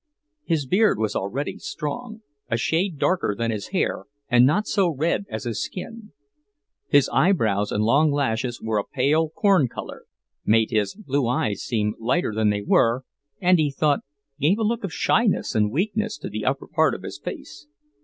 His beard was already strong, a shade darker than his hair and not so red as his skin. His eyebrows and long lashes were a pale corn colour made his blue eyes seem lighter than they were, and, he thought, gave a look of shyness and weakness to the upper part of his face.